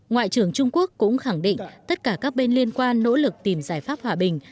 ngoại trưởng trung quốc cũng khẳng định tất cả các bên liên quan nỗ lực tìm giải pháp hòa bình